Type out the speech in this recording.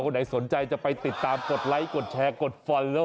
ไหนสนใจจะไปติดตามกดไลค์กดแชร์กดฟันแล้ว